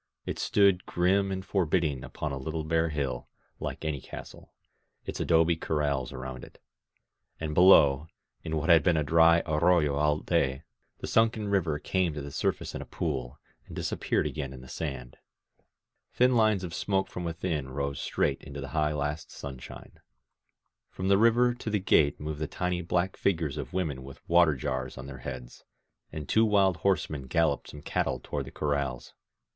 It stood grim and forbidding upon a little bare hill, like any castle, its adobe corrals around it; and below, in what had been a dry arroyo all day, th^ sunken river came to the sur face in a pool, and disappeared again in the sand. Thin lines of smoke from within rose straight into the high last sunshine. From the river to the gate moved the tiny black figures of women with water jars on their heads: and two wild horsemen galloped some cattle toward the corrals.